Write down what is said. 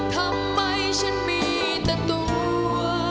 ทำไมฉันมีแต่ตัว